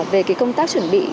về công tác chuẩn bị